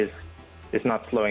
ya jadi menurut saya